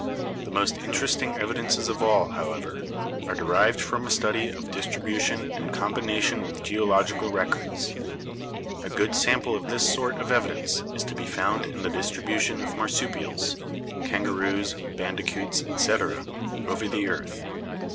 The most interesting evidences of all, however, are de rived from a study of distribution in combination with geological records. A good sample of this sort of evidence is to be found in the distribution of marsupials (kangaroos, bandicoots, etc.) over the earth.